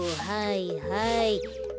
はいはい。